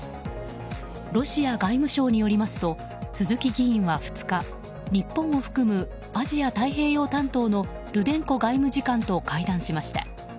ロシア外務省によりますと鈴木議員は２日日本を含むアジア太平洋担当のルデンコ外務次官と会談しました。